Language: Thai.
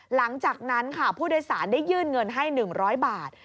หลังจากนั้นค่ะผู้โดยสารได้ยื่นเงินให้๑๐๐บาท